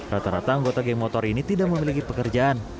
rata rata anggota geng motor ini tidak memiliki pekerjaan